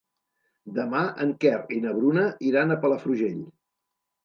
Demà en Quer i na Bruna iran a Palafrugell.